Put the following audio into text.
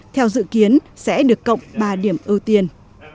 theo dự kiến sẽ được cộng ba điểm ưu tiên